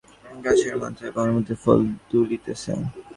-গাছের মাথায় বনধুধুলের ফল দুলিতেছে।